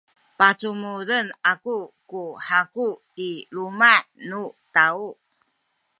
pacumuden aku ku haku i luma’ nu taw.